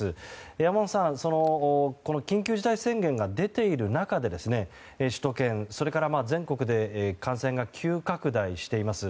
山本さん緊急事態宣言が出ている中で首都圏、それから全国で感染が急拡大しています。